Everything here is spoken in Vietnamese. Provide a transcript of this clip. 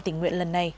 tình nguyện lần này